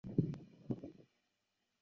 奥尔梅。